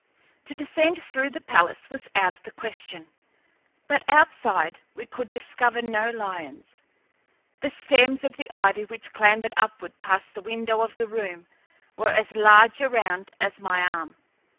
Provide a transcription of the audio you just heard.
To descend through the palace was out of the question, but outside we could discover no lions. The stems of the ivy which clambered upward past the window of the room were as large around as my arm.